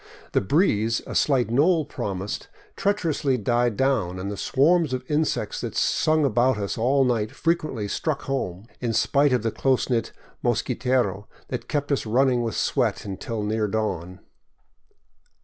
The breeze a slight knoll promised treacherously died down, and the swarms of insects that sung about us all night frequently struck home, in spite of the close knit mosquitero that kept us running with sweat until near dawn.